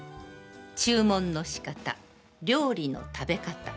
注文の仕方、料理の食べ方。